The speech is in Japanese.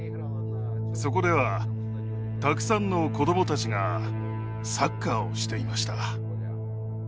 そこではたくさんの子どもたちがサッカーをしていました。